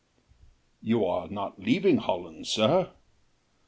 "You are not leaving Holland, sir?"